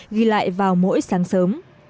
ghi lại vào mỗi sáng sớm